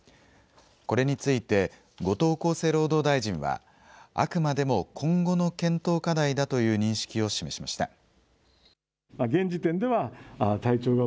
これについて後藤厚生労働大臣はあくまでも今後の検討課題だという認識を示しました。